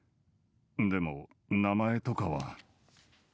でも、名前とかは。